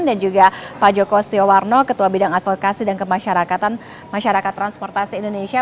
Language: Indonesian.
dan juga pak joko stiowarno ketua bidang advokasi dan kemasyarakatan masyarakat transportasi indonesia